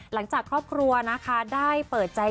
หลังจากครอบครัวนะคะได้เปิดใจ